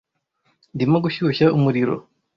Ndimo gushyushya umuriro.